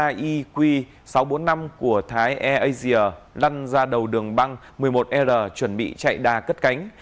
ieq sáu trăm bốn mươi năm của thái air asia lăn ra đầu đường băng một mươi một r chuẩn bị chạy đà cất cánh